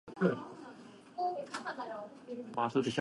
早く録音させろや